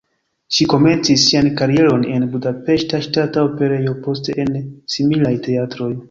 Ŝi komencis sian karieron en Budapeŝta Ŝtata Operejo, poste en similaj teatroj.